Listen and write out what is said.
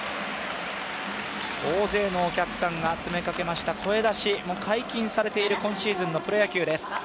大勢のお客さんが詰めかけました、声出しも解禁されている今シーズンのプロ野球です。